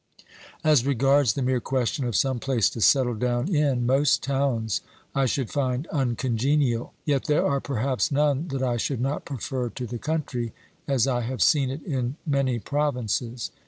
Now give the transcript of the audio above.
As regards the mere question of some place to settle down in, most towns I should find uncongenial, yet there are perhaps none that I should not prefer to the country as I have seen it in many provinces.